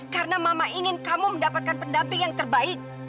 karena mama ingin kamu mendapatkan pendamping yang terbaik